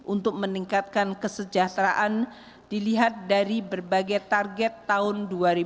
untuk meningkatkan kesejahteraan dilihat dari berbagai target tahun dua ribu dua puluh